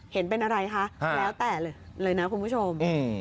เห็นเป็นอะไรคะแล้วแต่เลยนะคุณผู้ชม